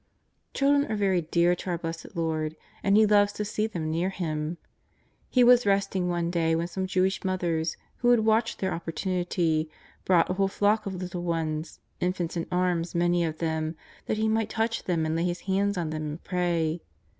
Children are verv dear to our Blessed Lord, and He loves to see them near Him. He was resting one day when some Jewish mothers, who had watched their opportunity, brought a whole flock of little ones, in fants in arms many of them, that He might touch them and lay His hands on them and pray.